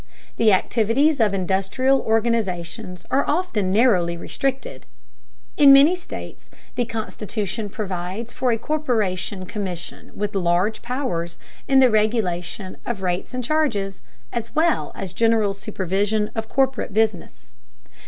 The activities of industrial organizations are often narrowly restricted. In many states the constitution provides for a corporation commission with large powers in the regulation of rates and charges, as well as general supervision of corporate business.